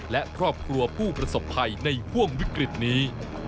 และครอบครัวผู้ประสบภัยในห่วงวิกฤตนี้